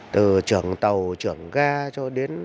từ trưởng tàu trưởng ga cho đến